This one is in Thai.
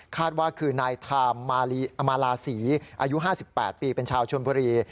ว่าคือนายไทม์มาลาศรีอายุ๕๘ปีเป็นชาวชนบุรี